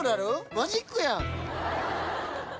マジックやん！